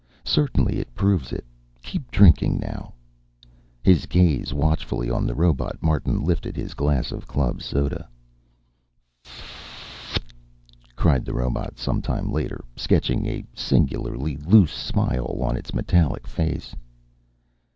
Certainly it proves it. Keep drinking, now." His gaze watchfully on the robot, Martin lifted his glass of club soda. "F ff ff f(t)!" cried the robot, some time later, sketching a singularly loose smile on its metallic face.